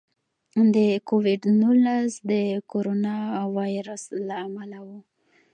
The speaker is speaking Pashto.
د کوویډ نولس د کورونا وایرس له امله و.